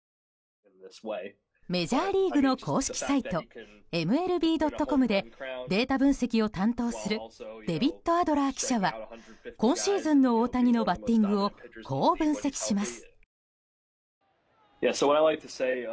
メジャーリーグの公式サイトＭＬＢ．ｃｏｍでデータ分析を担当するデビッド・アドラー記者は今シーズンの大谷のバッティングをこう分析します。